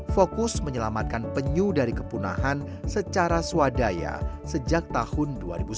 fokus menyelamatkan penyu dari kepunahan secara swadaya sejak tahun dua ribu sepuluh